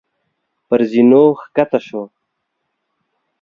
پر زينو کښته شو.